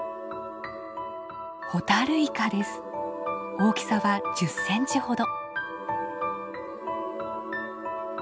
大きさは１０センチほど。